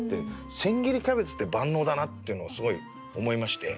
千切りキャベツって万能だなっていうのをすごい思いまして。